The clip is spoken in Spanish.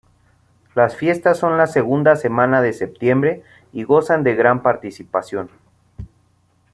Las fiestas son la segunda semana de septiembre y gozan de gran participación.